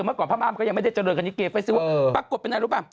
เมื่อก่อนพระม่าก็ยังไม่ได้เจริญกับเกย์เฟสติเวิล